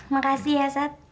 makasih ya sat